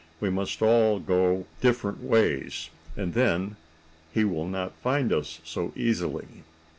We must all go different ways, and then he will not find us so easily."